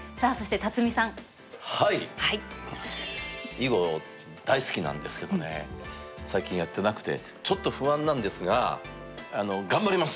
囲碁大好きなんですけどね最近やってなくてちょっと不安なんですが頑張ります！